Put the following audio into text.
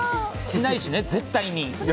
しないしね、絶対に。